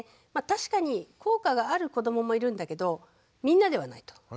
確かに効果がある子どももいるんだけどみんなではないと。